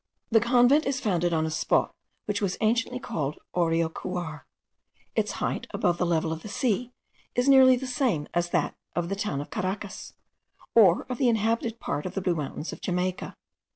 The convent is founded on a spot which was anciently called Areocuar. Its height above the level of the sea is nearly the same as that of the town of Caracas, or of the inhabited part of the Blue Mountains of Jamaica.